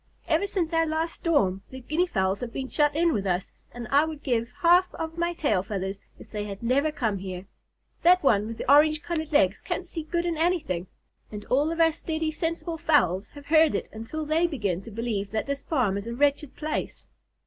Ever since our last storm, the Guinea Fowls have been shut in with us, and I would give half of my tail feathers if they had never come here. That one with the orange colored legs can't see good in anything, and all of our steady, sensible fowls have heard it until they begin to believe that this farm is a wretched place."